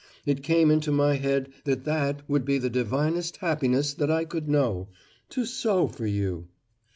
It came into my head that that would be the divinest happiness that I could know to sew for you!